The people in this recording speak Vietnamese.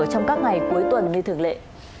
trong các ngày cuối tuần như thường lệ